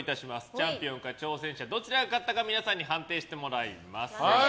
チャンピオンか挑戦者どちらが勝ったか皆さんに判定してもらいます。